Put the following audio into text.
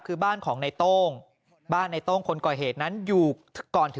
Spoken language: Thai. จ่ายจ่ายจ่ายไปเท่าไหร่ครับ